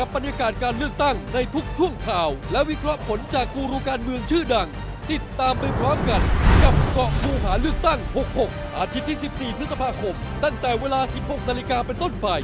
โปรดติดตามตอนต่อไป